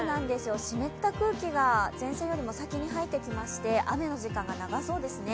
湿った空気が前線よりも先に入ってきまして雨の時間が長そうですね。